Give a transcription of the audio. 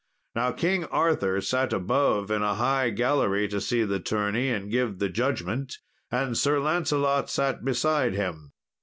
Now King Arthur sat above in a high gallery to see the tourney and give the judgment, and Sir Lancelot sat beside him.